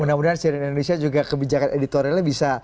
mudah mudahan si red indonesia juga kebijakan editorialnya bisa